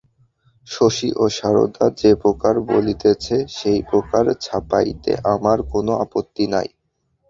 শশী ও সারদা যে প্রকার বলিতেছে, সেই প্রকার ছাপাইতে আমার কোন আপত্তি নাই।